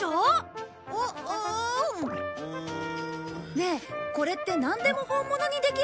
ねえこれってなんでも本物にできるの？